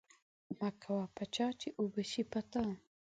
مه کوه په چا چی اوبه شی په تا.